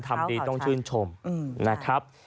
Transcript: ทำดีต้องชื่นชมนะครับ